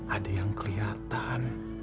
ada yang kelihatan